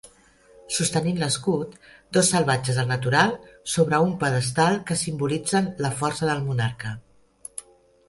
Sostenint l'escut, dos salvatges al natural sobre un pedestal que simbolitzen la força del monarca.